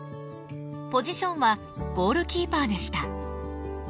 ポジションはゴールキーパーでした。